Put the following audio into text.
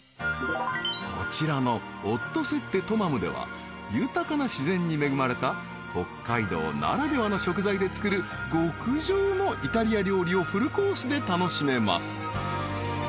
［こちらのＯＴＴＯＳＥＴＴＥＴＯＭＡＭＵでは豊かな自然に恵まれた北海道ならではの食材で作る極上のイタリア料理をフルコースで楽しめます］